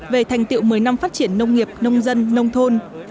về thành tiệu một mươi năm phát triển nông nghiệp nông dân nông thôn